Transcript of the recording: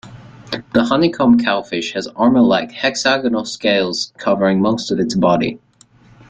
The honeycomb cowfish has armor-like, hexagonal scales covering most of its body.